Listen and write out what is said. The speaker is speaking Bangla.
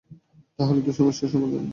তাহলে তো সমস্যার সমাধান।